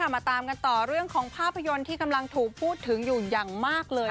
มาตามกันต่อเรื่องของภาพยนตร์ที่กำลังถูกพูดถึงอยู่อย่างมากเลย